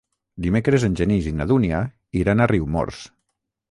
Dimecres en Genís i na Dúnia iran a Riumors.